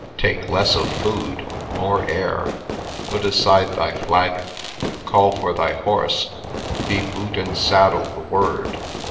Take less of food, more air, put aside thy flagon, call for thy horse ; be boot and saddle the word